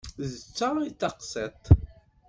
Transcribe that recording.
D ta i d taqṣit.